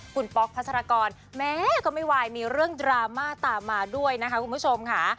คุณป๊อกพัชรกรแม้ก็ไม่ไหวมีเรื่องดราม่าตามมาด้วยนะคะคุณผู้ชมค่ะ